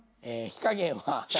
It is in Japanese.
火加減は？